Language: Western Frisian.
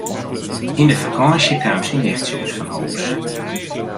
Yn de fakânsje kaam syn nichtsje útfanhûs.